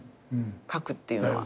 書くっていうのは。